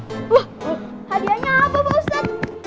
wah hadiahnya apa ustadz